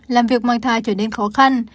làm việc mang thai trở nên khó khăn